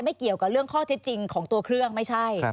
เกี่ยวกับเรื่องข้อเท็จจริงของตัวเครื่องไม่ใช่